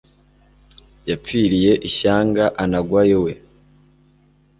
yapfiriye ishyanga anagwayo we